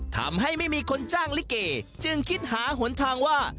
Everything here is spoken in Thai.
ทำให้ไม่มีคนจ้างลิเกจึงคิดหาหนทางว่า